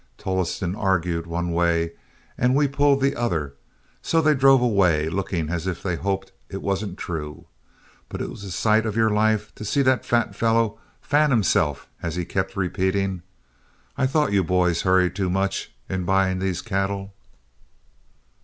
Tolleston argued one way, and we all pulled the other, so they drove away, looking as if they hoped it wasn't true. But it was the sight of your life to see that fat fellow fan himself as he kept repeating, 'I thought you boys hurried too much in buying these cattle.'"